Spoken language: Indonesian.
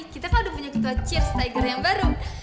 kita kan udah punya ketua cheers tiger yang baru